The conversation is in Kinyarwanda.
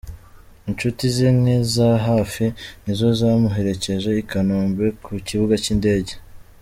Inshuti ze nke za hafi, ni zo zamuherekeje i Kanombe ku kibuga cy’indege.